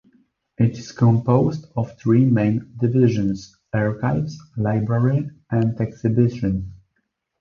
It is composed of three main divisions: archives, library, and exhibitions.